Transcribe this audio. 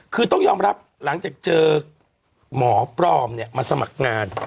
คือต้องยอมรับหลังจากเจอหมอปลอมมาสมัครงาน